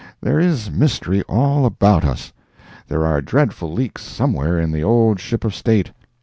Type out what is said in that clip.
There is mystery all about us. There are dreadful leaks somewhere in the old Ship of State.